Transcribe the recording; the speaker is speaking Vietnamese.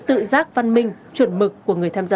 tự giác văn minh chuẩn mực của người tham gia